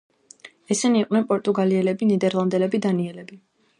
ესენი იყვნენ პორტუგალიელები, ნიდერლანდელები, დანიელები.